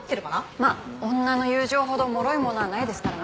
まあ女の友情ほどもろいものはないですからね。